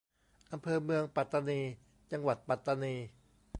อำเภอเมืองปัตตานี จังหวัดปัตตานี